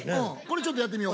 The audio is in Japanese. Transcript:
ちょっとやってみよう。